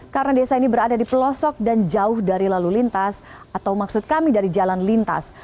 karena desa ini berada di pelosok dan jauh dari lalu lintas atau maksud kami dari jalan lintas